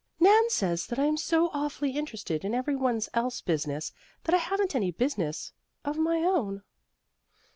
Nan says that I am so awfully interested in every one's else business that I haven't any business of my own."